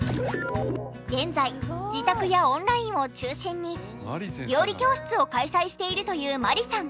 現在自宅やオンラインを中心に料理教室を開催しているという万里さん。